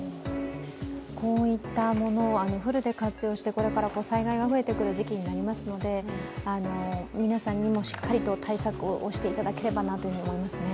こういったものをフルで活用して、これから災害が増えてくる時期になりますので皆さんにもしっかりと対策をしていただければなと思いますね。